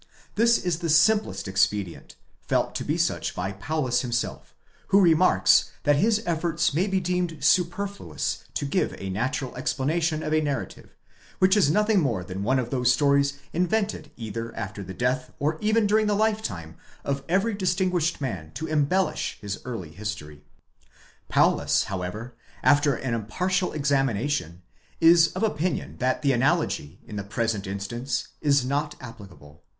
This is the simplest expedient, felt to be such by. Paulus himself, who remarks, that his efforts may be deemed superfluous to give a natural explanation of a narrative, which is nothing more than one of those stories invented either after the death or even during the lifetime of every distinguished man to em δ: Ut sup. κ 26. ANNUNCIATION AND BIRTH OF THE BAPTIST. 103 bellish his early history. Paulus, however, after an impartial examination, is of opinion that the analogy, in the present instance, is not applicable.